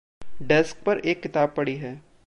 Desk पर एक किताब पड़ी है।